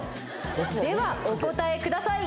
ではお答えください。